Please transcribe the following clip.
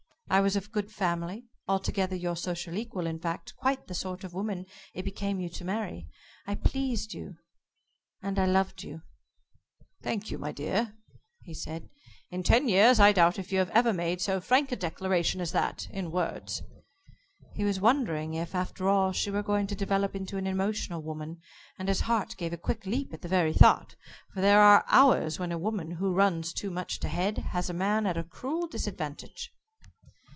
I was of good family altogether your social equal, in fact, quite the sort of woman it became you to marry. I pleased you and I loved you." "Thank you, my dear," he said. "In ten years, I doubt if you have ever made so frank a declaration as that in words." He was wondering, if, after all, she were going to develop into an emotional woman, and his heart gave a quick leap at the very thought for there are hours when a woman who runs too much to head has a man at a cruel disadvantage.